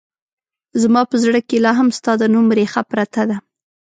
زما په زړه کې لا هم ستا د نوم رېښه پرته ده